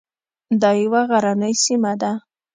دا یوه غرنۍ سیمه ده.